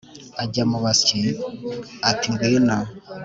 ajya mu basyi, ati ngwino